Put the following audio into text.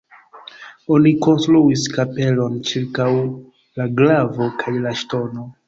Oni konstruis kapelon ĉirkaŭ la glavo kaj la ŝtono.